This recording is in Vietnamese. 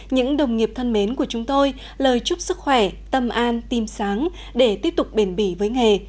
những đồng nghiệp thân mến của chúng tôi lời chúc sức khỏe tâm an tim sáng để tiếp tục bền bỉ với nghề